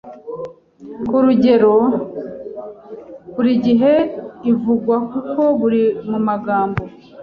kurugero burigihe ivugwa nkuko biri mumagambo